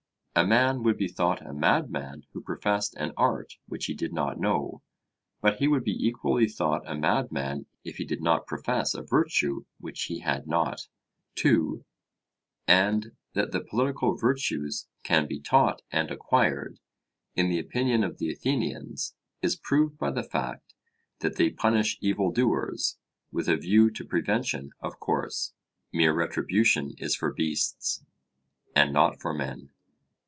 A man would be thought a madman who professed an art which he did not know; but he would be equally thought a madman if he did not profess a virtue which he had not. (2) And that the political virtues can be taught and acquired, in the opinion of the Athenians, is proved by the fact that they punish evil doers, with a view to prevention, of course mere retribution is for beasts, and not for men.